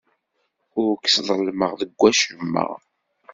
Ur k-sḍelmeɣ deg wacemma.